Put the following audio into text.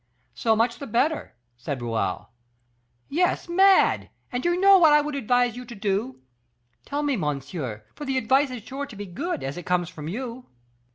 "So much the better," said Raoul. "Yes, mad; and do you know what I would advise you to do?" "Tell me, monsieur, for the advice is sure to be good, as it comes from you."